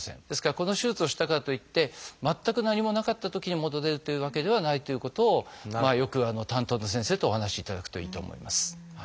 ですからこの手術をしたからといって全く何もなかったときに戻れるというわけではないということをよく担当の先生とお話しいただくといいと思います。